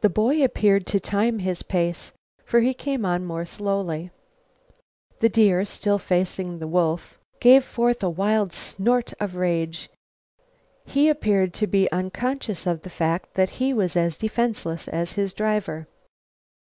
The boy appeared to time his pace, for he came on more slowly. The deer, still facing the wolf, gave forth a wild snort of rage. He appeared to be unconscious of the fact that he was as defenseless as his driver.